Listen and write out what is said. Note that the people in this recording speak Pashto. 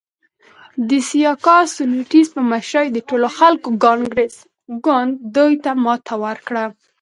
د سیاکا سټیونز په مشرۍ د ټولو خلکو کانګرس ګوند دوی ته ماته ورکړه.